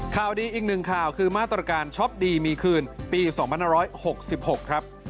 คราวนี้อีก๑คราวคือตอนรายวการช็อปดีมีคืนปี๒๒๖๖ครับ